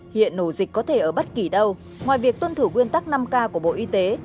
hiện ổ dịch có thể ở bất kỳ đâu ngoài việc tuân thủ nguyên tắc năm k của bộ y tế